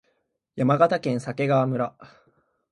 山形県鮭川村